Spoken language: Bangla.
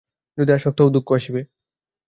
যদি আসক্ত হও, দুঃখ আসিবে।